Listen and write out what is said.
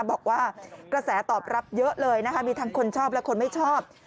บอกว่ากระแสตอบรับเยอะเลยนะคะมีทั้งคนชอบและคนไม่ชอบ